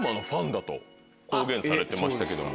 公言されてましたけども。